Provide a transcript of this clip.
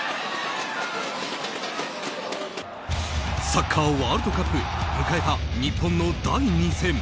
サッカーワールドカップ迎えた日本の第２戦。